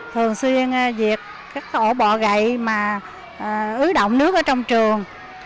thường xuyên diệt các ổ bọ gậy mà ứ động nước ở trong trường